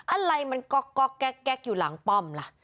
อะไรมันก๊อกแก๊กอยู่หลังป้อมล่ะ